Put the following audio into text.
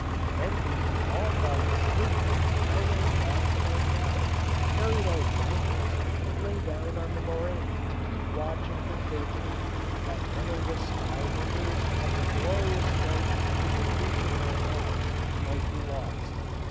Then losing all thought of sleep, I ran back to my cabin, carried out blankets and lay down on the moraine to keep watch until daybreak, that none of the sky wonders of the glorious night within reach of my eyes might be lost.